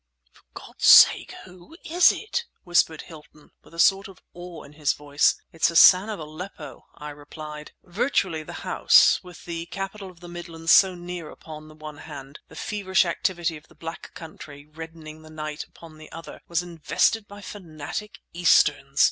"For God's sake, who is it?" whispered Hilton, with a sort of awe in his voice. "It's Hassan of Aleppo!" I replied. Virtually, the house, with the capital of the Midlands so near upon the one hand, the feverish activity of the Black Country reddening the night upon the other, was invested by fanatic Easterns!